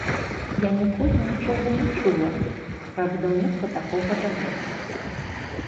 Я ніколі нічога не чула пра будаўніцтва такога завода.